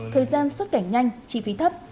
thời gian xuất cảnh nhanh chi phí thấp